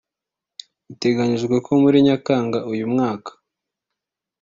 Biteganyijwe ko muri Nyakanga uyu mwaka